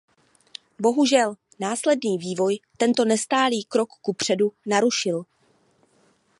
Bohužel, následný vývoj tento nestálý krok kupředu narušil.